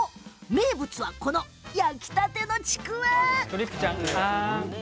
名物は、この焼きたてのちくわ。